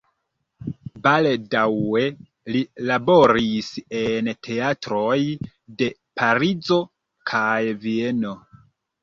Baldaŭe li laboris en teatroj de Parizo kaj Vieno.